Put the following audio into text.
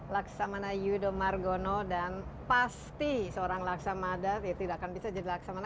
laksamana yudho margono dan pasti seorang laksamada ya tidak akan bisa jadi laksamana